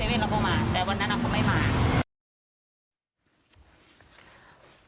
แต่วันนั้นน่ะเขาไม่มา